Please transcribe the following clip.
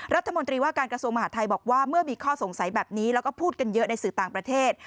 รัฐมนตรีว่าการกระทรวงมหาดไทยบอกว่าเมื่อมีข้อสงสัยแบบนี้แล้วก็พูดกันเยอะในสื่อต่างประเทศ